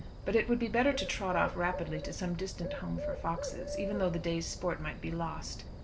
But it would be better to trot off rapidly to some distant home for foxes, even though the day's sport might be lost.